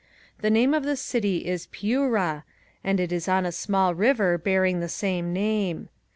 The name of this city is Piura and it is on a small river bearing the same name.